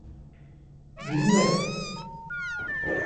หญิงเหล็ก